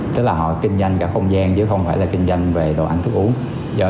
tức là họ kinh doanh cả không gian chứ không phải là kinh doanh về đồ ăn thức uống